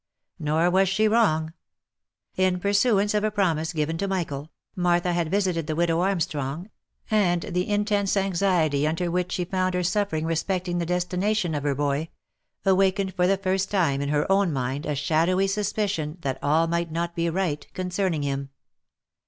Nor was she wrong. In pursuance of a promise given to Mickael, Martha had visited the widow Armstrong, and the intense anxiety under which she found her suffering respecting the destination of her boy, awakened for the first time in her own mind a shadowy suspicion that all might not be right concerning him.